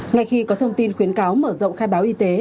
ngay khi có thông tin khuyến cáo mở rộng khai báo y tế